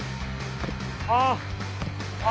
ああ。